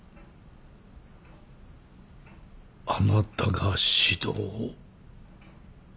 あなたが指導を？